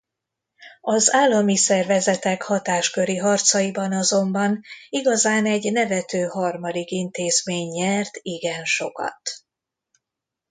Az állami szervezetek hatásköri harcaiban azonban igazán egy nevető harmadik intézmény nyert igen sokat.